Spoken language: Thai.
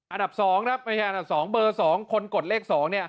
อันดับ๒นะครับอันดับ๒เบอร์๒คนกดเลข๒เนี่ย